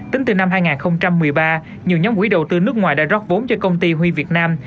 tính từ năm hai nghìn một mươi ba nhiều nhóm quỹ đầu tư nước ngoài đã rót vốn cho công ty huy việt nam